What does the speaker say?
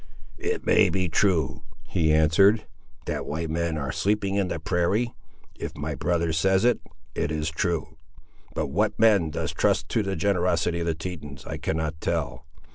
"It may be true," he answered, "that white men are sleeping in the prairie. If my brother says it, it is true; but what men thus trust to the generosity of the Tetons, I cannot tell.